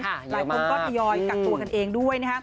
หลายคนก็พยายามกักตัวกันเองด้วย